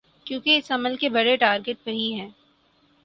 کیونکہ اس عمل کے بڑے ٹارگٹ وہی ہیں۔